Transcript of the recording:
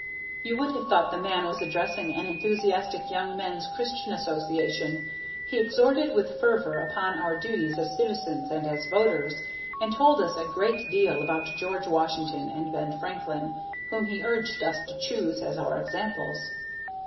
You would have thought the man was addressing an enthusiastic Young Men's Christian Association. He exhorted with fervor upon our duties as citizens and as voters, and told us a great deal about George Washington and Benjamin Franklin, whom he urged us to choose as our examples.